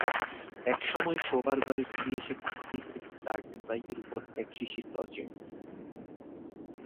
এক সময়ে শোবার ঘরে ফিরে এসে কুমু দেখলে, তার টিপাইয়ের উপর একশিশি লজেঞ্জস।